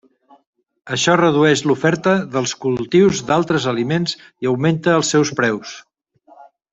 Això redueix l'oferta dels cultius d'altres aliments i augmenta els seus preus.